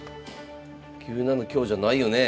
９七香じゃないよねえ？